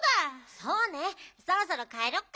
そうねそろそろかえろっか。